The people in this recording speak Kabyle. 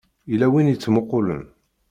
Yella win i yettmuqqulen.